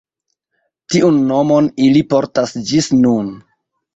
Tiun nomon ili portas ĝis nun.